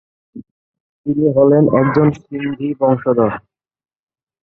তিনি হলেন একজন সিন্ধি বংশধর।